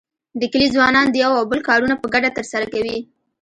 د کلي ځوانان د یو او بل کارونه په ګډه تر سره کوي.